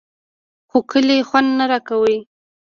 خو کلي خوند رانه کړ.